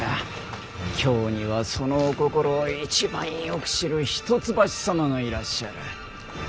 京にはそのお心を一番よく知る一橋様がいらっしゃる。